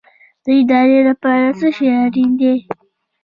د ارادې لپاره څه شی اړین دی؟